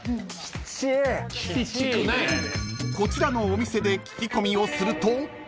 ［こちらのお店で聞き込みをすると］